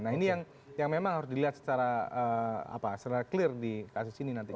nah ini yang memang harus dilihat secara clear di kasus ini nanti